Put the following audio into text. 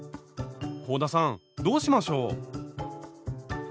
香田さんどうしましょう？